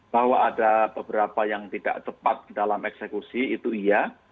bahwa ada beberapa yang tidak cepat dalam eksekusi itu iya